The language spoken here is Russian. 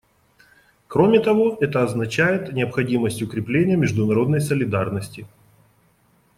Кроме того, это означает необходимость укрепления международной солидарности.